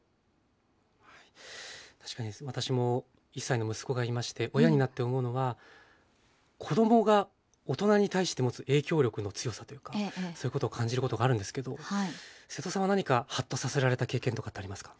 確かに私も１歳の息子がいまして親になって思うのは子どもが大人に対して持つ影響力の強さというかそういうことを感じることがあるんですけど瀬戸さんは何かハッとさせられた経験とかってありますか？